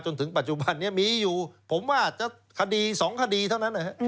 จนถึงปัจจุบันนี้มีอยู่ผมว่าจะคดี๒คดีเท่านั้น